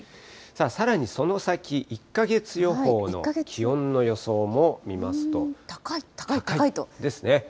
さらにその先、１か月予報の気温の予想も見ますと。ですね。